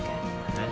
えっ？